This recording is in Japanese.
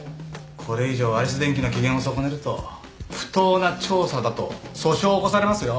これ以上アレス電機の機嫌を損ねると不当な調査だと訴訟を起こされますよ。